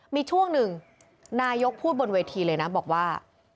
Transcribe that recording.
มีช่วงหนึ่งนายกพูดบนเวทีเลยนะบอกว่า